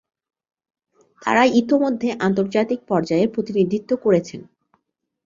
তারা ইতোমধ্যে আন্তর্জাতিক পর্যায়ে প্রতিনিধিত্ব করেছেন।